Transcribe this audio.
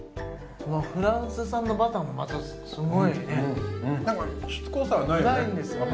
このフランス産のバターもまたすごいねなんかしつこさがないよねないんですよね